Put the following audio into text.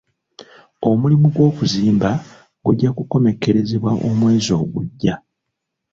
Omulimu gw'okuzimba gujja kukomekerezebwa omwezi ogujja.